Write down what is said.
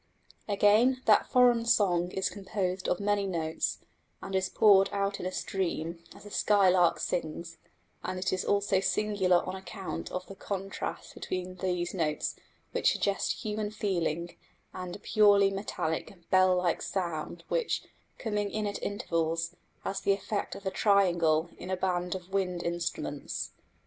Again, that foreign song is composed of many notes, and is poured out in a stream, as a skylark sings; and it is also singular on account of the contrast between these notes which suggest human feeling and a purely metallic, bell like sound, which, coming in at intervals, has the effect of the triangle in a band of wind instruments.